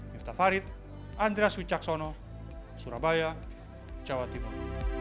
miftah farid andras wicaksono surabaya jawa timur